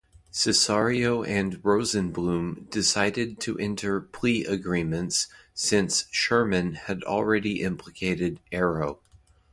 Cesario and Rosenbloom decided to enter plea agreements since Sherman had already implicated Arrow.